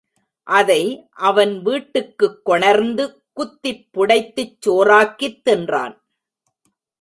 அதை அவன் வீட்டுக்குக் கொணர்ந்து குத்திப் புடைத்துச் சோறாக்கித் தின்றான்.